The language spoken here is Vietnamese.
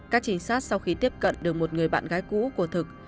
các trinh sát sau khi tiếp cận được một người bạn gái cũ của thực